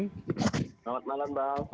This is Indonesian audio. selamat malam bang